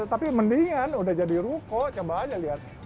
tapi mendingan udah jadi ruko coba aja lihat